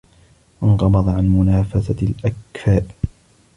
وَانْقَبَضَ عَنْ مُنَافَسَةِ الْأَكْفَاءِ